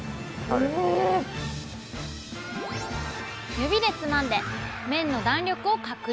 指でつまんで麺の弾力を確認。